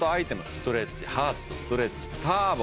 ストレッチハーツとストレッチターボ